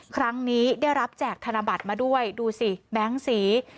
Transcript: ครั้งนี้ได้รับแจกธนบัตรมาด้วยดูสิแบงค์สี